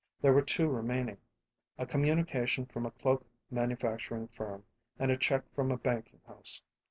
There were two remaining a communication from a cloak manufacturing firm and a check from a banking house.